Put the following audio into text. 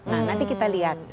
nah nanti kita lihat